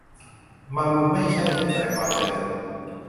มันไม่ใช่กระจายความเจริญ